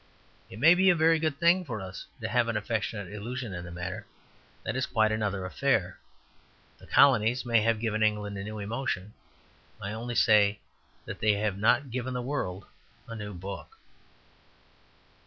It may be a very good thing for us to have an affectionate illusion in the matter; that is quite another affair. The colonies may have given England a new emotion; I only say that they have not given the world a new book.